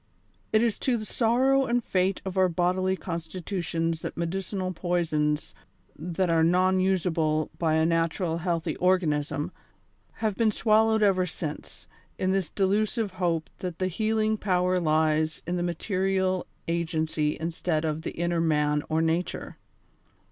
It is to the sorrow and fate of our bodily constitutions that medicinal poisons, that are non THE CONSPIRATORS AND LOVERS. 143 usable by a naturally healthy organism, have been swal lowed ever since, in the delusive hope that tlie healing power lies in the material agency instead of the inner man or nature.